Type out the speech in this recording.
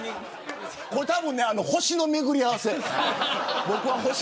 これは、たぶん星の巡り合わせ。